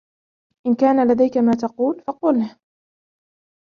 إن كان لديك ما تقول، فقُله.